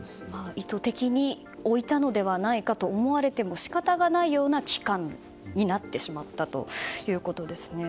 意図的に置いたのではないかと思われても仕方がないような期間になってしまったということですね。